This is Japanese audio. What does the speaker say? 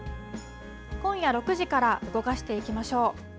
今夜６時から動かしていきましょう。